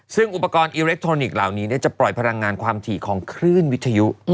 ซึ่งอุปกรณ์อิเล็กทรอนิกส์เหล่านี้จะปล่อยพลังงานความถี่ของคลื่นวิทยุ